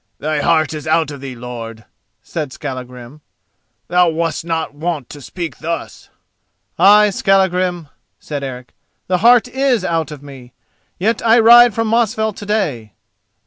"Thy heart is out of thee, lord," said Skallagrim; "thou wast not wont to speak thus." "Ay, Skallagrim," said Eric, "the heart is out of me. Yet I ride from Mosfell to day."